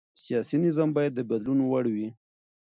سیاسي نظام باید د بدلون وړ وي